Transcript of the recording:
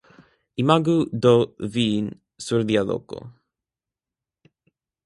Imagu do vin sur lia loko!